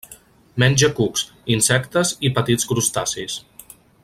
Menja cucs, insectes i petits crustacis.